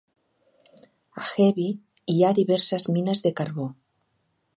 A Hebi hi ha diverses mines de carbó.